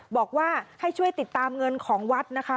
บอกว่าให้ช่วยติดตามเงินของวัดนะคะ